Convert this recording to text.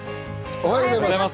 おはようございます。